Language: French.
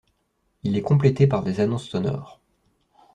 Il est complété par des annonces sonores.